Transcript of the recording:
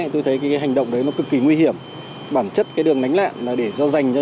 tôi thấy cái hành động đấy nó cực kỳ nguy hiểm bản chất cái đường lánh nạn là để cho dành cho